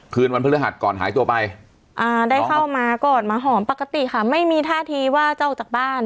คืนวันพฤหัสก่อนหายตัวไปอ่าได้เข้ามาก่อนมาหอมปกติค่ะไม่มีท่าทีว่าจะออกจากบ้าน